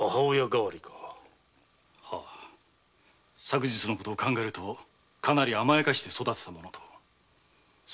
昨日の事を考えますとかなり甘やかして育てたものと。